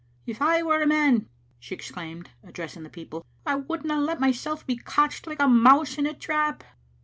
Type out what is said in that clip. "If I were a man," she exclaimed, addressing the people, " I wouldna let myself be catched like a mouse in a trap."